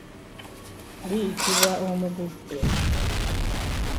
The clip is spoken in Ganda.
Liyitibwa omuguddo.